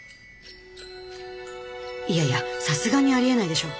いやいやさすがにありえないでしょ。